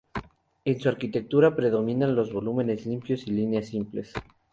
En su arquitectura predominan los volúmenes limpios y líneas simples.